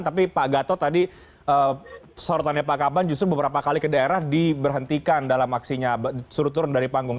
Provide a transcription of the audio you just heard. tapi pak gatot tadi sorotannya pak kaban justru beberapa kali ke daerah diberhentikan dalam aksinya suruh turun dari panggung